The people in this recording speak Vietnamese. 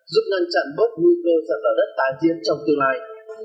giúp ngăn chặn bớt nguy cơ sạt lở đất tái diễn trong tương lai